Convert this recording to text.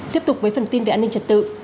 tiếp tục với phần tin về an ninh trật tự